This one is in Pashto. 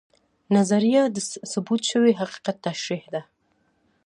نظریه د ثبوت شوي حقیقت تشریح ده